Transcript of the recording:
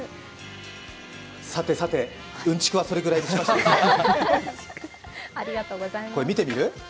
さてさて、うんちくはそれぐらいにしまして、見てみる？